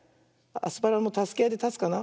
アスパラもたすけあいでたつかな。